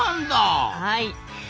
はい。